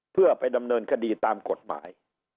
เพื่อไปดำเนินคดีตามกฎหมาย